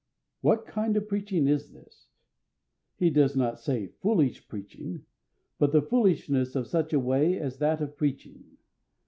What kind of preaching is this? He does not say, "foolish preaching," but the foolishness of such a way as that of preaching.